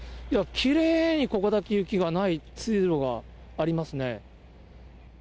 いや、きれいにここだけ雪がない通路がありますね。